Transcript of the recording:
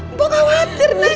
ibu khawatir neng